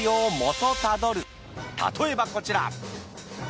例えばこちら。